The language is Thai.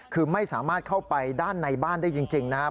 คือไม่สามารถเข้าไปด้านในบ้านได้จริงนะครับ